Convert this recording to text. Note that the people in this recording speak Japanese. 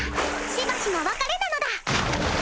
しばしの別れなのだ。